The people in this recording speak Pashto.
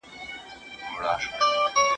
¬ کوټ کوټ دلته کوي، هگۍ بل ځاى اچوي.